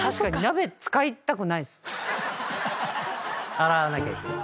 洗わなきゃいけない。